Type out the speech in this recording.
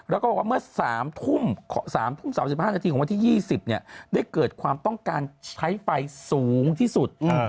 แล้วก็บอกว่าเมื่อ๓ทุ่ม๓ทุ่ม๓๕นาทีของวันที่๒๐ได้เกิดความต้องการใช้ไฟสูงที่สุด